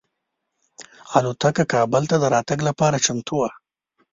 الوتکه کابل ته د راتګ لپاره چمتو وه.